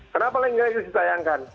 kenapa liga inggris ditayangkan